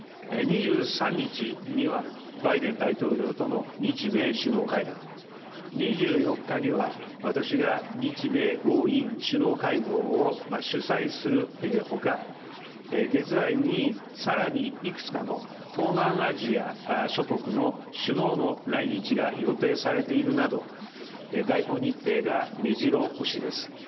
２３日には、バイデン大統領との日米首脳会談、２４日には、私が日米豪印首脳会合を主催するほか、月内にさらにいくつかの東南アジア諸国の首脳の来日が予定されているなど、外交日程がめじろ押しです。